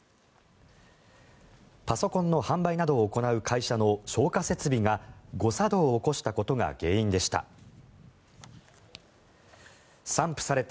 パソコンの販売などを行う会社の消火設備が誤作動を起こしたことが原因でした。